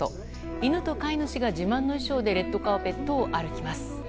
犬と飼い主が自慢の衣装でレッドカーペットを歩きます。